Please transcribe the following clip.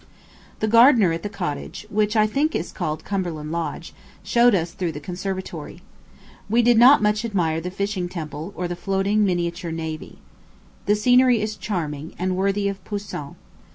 The gardener at the cottage which I think is called Cumberland Lodge showed us through the conservatory. We did not much admire the Fishing Temple, or the floating miniature navy. The scenery is charming, and worthy of Poussin.